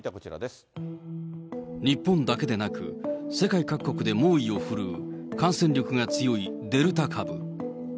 日本だけなく、世界各国で猛威を振るう、感染力が強いデルタ株。